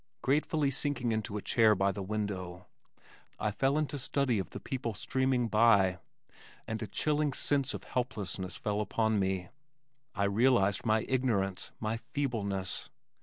Gratefully sinking into a chair by the window, I fell into study of the people streaming by, and a chilling sense of helplessness fell upon me. I realized my ignorance, my feebleness.